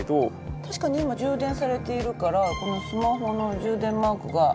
確かに今充電されているからこのスマホの充電マークが緑になっていますね。